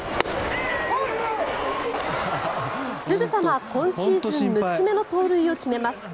すぐさま今シーズン６つ目の盗塁を決めます。